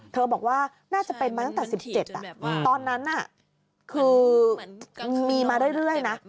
บอกว่าน่าจะเป็นมาตั้งแต่๑๗ตอนนั้นคือมีมาเรื่อยนะ